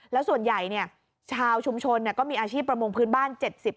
แล้วส่วนใหญ่ชาวชุมชนก็มีอาชีพประมงพื้นบ้าน๗๐